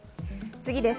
次です。